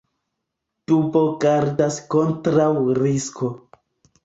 Dubo gardas kontraŭ risko.